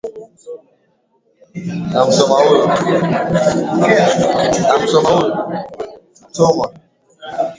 Ninatafuta rafiki yangu.